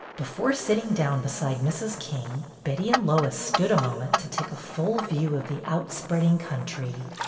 Before sitting down beside Mrs. King, Betty and Lois stood a moment to take a full view of the outspreading country.